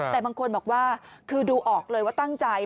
แต่บางคนบอกว่าคือดูออกเลยว่าตั้งใจ